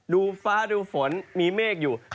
ดูฟ้าดูฝนมีเมฆอยู่